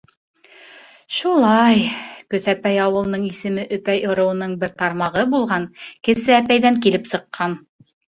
— Шулай, Көҫәпәй ауылының исеме Өпәй ырыуының бер тармағы булған Кесе Әпәйҙән килеп сыҡҡан.